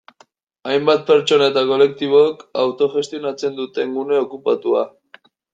Hainbat pertsona eta kolektibok autogestionatzen duten gune okupatua.